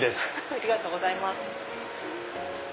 ありがとうございます。